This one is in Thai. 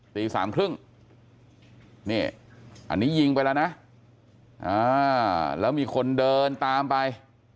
ตีสามครึ่งนี่อันนี้ยิงไปแล้วนะแล้วมีคนเดินตามไป